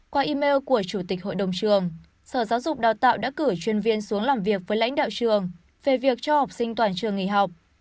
qua email của chủ tịch hội đồng trường sở giáo dục đào tạo đã cử chuyên viên xuống làm việc với lãnh đạo trường về việc cho học sinh toàn trường nghỉ học